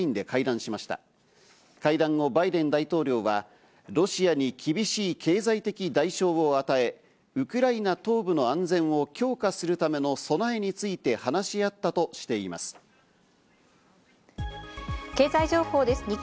会談後バイデン大統領は、ロシアに厳しい経済的代償を与え、ウクライナ東部の安全を強化するための備えについて話し合ったとしています。